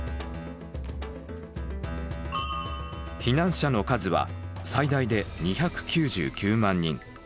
避難者の数は最大で２９９万人。